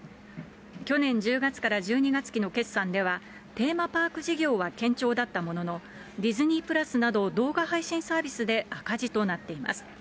去年１０月から１２月期の決算では、テーマパーク事業は堅調だったものの、ディズニープラスなど動画配信サービスで赤字となっています。